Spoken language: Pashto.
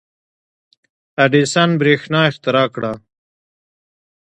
• اډېسن برېښنا اختراع کړه.